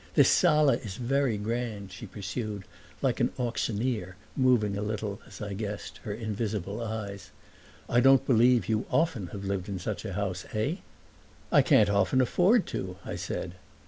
This sala is very grand," she pursued, like an auctioneer, moving a little, as I guessed, her invisible eyes. "I don't believe you often have lived in such a house, eh?" "I can't often afford to!" I said.